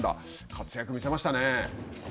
活躍を見せましたね。